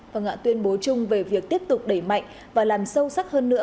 và ngạ tuyên bố chung về việc tiếp tục đẩy mạnh và làm sâu sắc hơn nữa